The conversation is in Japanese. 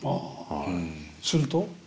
すると？